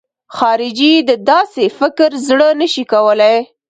خارجي د داسې فکر زړه نه شي کولای.